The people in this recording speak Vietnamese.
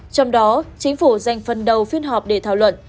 trong đó chính phủ dành phần đầu phiên họp để thảo luận